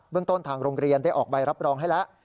เรื่องต้นทางโรงเรียนได้ออกใบรับรองให้แล้ว